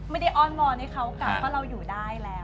อ้อนวอนให้เขากลับเพราะเราอยู่ได้แล้ว